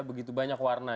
begitu banyak warna